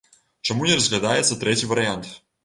Чаму не разглядаецца трэці варыянт?